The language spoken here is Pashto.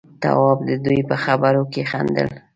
تواب د دوي په خبرو کې خندل.